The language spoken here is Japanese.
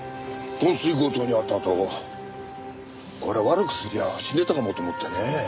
昏睡強盗に遭ったあとこりゃ悪くすりゃ死んでたかもと思ってね。